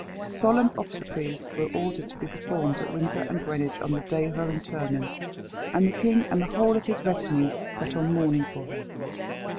Solemn obsequies were ordered to be performed at Windsor and Greenwich on the day of her interment, and the king and the whole of his retinue put on mourning for her.